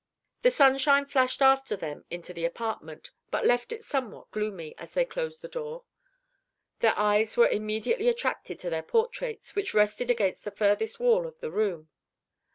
The sunshine flashed after them into the apartment, but left it somewhat gloomy, as they closed the door. Their eyes were immediately attracted to their portraits, which rested against the furthest wall of the room.